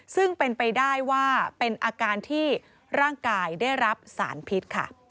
ซึ่งเป็นไปได้ว่าเป็นอาการที่ร่างกายได้รับสารพิษค่ะ